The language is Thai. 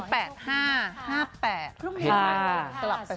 เห็นไหมตลับไปสุด